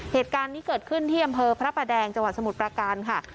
เหตุการณ์นี้เกิดขึ้นที่อำเภอพระประแดงจังหวัดสมุทรประการค่ะ